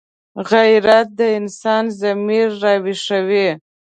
غیرت د انسان ضمیر راویښوي